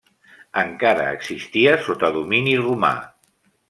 Encara existia sota domini romà.